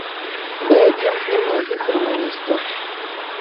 Вы адзін з нямногіх раманістаў.